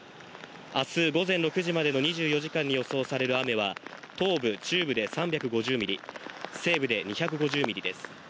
あす午前６時までの２４時間に予想される雨は東部・中部で３５０ミリ、西部で２５０ミリです。